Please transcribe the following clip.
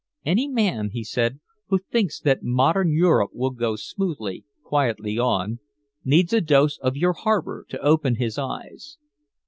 "Any man," he said, "who thinks that modern Europe will go smoothly, quietly on, needs a dose of your harbor to open his eyes."